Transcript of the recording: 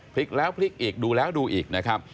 พลิกแล้วพลิกซ์อีกดูแล้วดูอีก